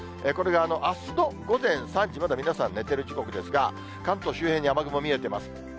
これがあすの午前３時、まだ皆さん寝てる時刻ですが、関東周辺に雨雲見えてます。